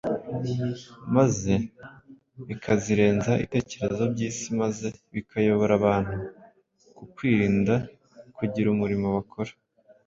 maze bikazirenza ibitekerezo by’isi maze bikayobora abantu ku kwirinda kugira umurimo bakora.